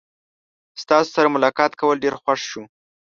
ستاسو سره ملاقات کول ډیر خوښ شو.